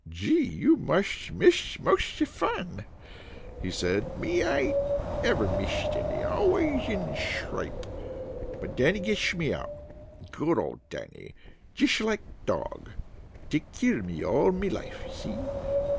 "Gee! You musht misshed mosht the fun!" he said. "Me, I ain't ever misshed any. Always in schrape. But Dannie getsh me out. Good old Dannie. Jish like dog. Take care me all me life. See?